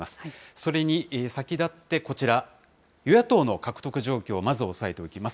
それに先立ってこちら、与野党の獲得状況をまず押さえておきます。